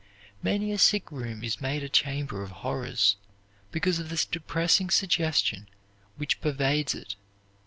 Many a sick room is made a chamber of horrors because of the depressing suggestion which pervades it.